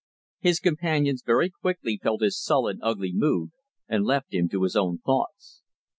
His companions very quickly felt his sullen, ugly mood, and left him to his own thoughts.